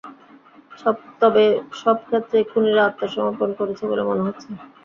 তবে সব ক্ষেত্রেই খুনিরা আত্মসমর্পণ করেছে বলে মনে হচ্ছে।